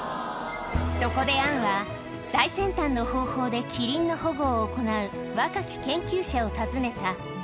そこでアンは、最先端の方法でキリンの保護を行う若き研究者を訪ねた。